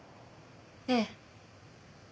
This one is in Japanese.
ええ。